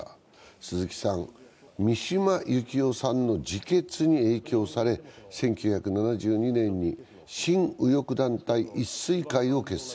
鈴木さん、三島由紀夫さんの自決に影響され１９７２年に新右翼団体・一水会を結成。